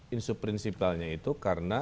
isu prinsipalnya itu karena